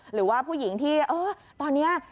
หรือว่าผู้หญิงที่ตอนนี้